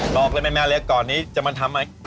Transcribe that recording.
บอกเลยไหมแม่เล็กก่อนนี้จะมาทำอะไร